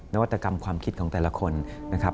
นวัตกรรมความคิดของแต่ละคนนะครับ